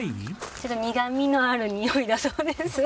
ちょっと苦みのあるにおいだそうです。